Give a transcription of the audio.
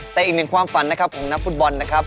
แต่อีกหนึ่งความฝันนะครับของนักฟุตบอลนะครับ